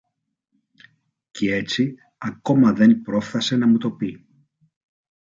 Κι έτσι ακόμα δεν πρόφθασε να μου το πει.